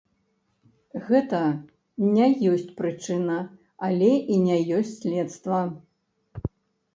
Гэта не ёсць прычына, але і не ёсць следства.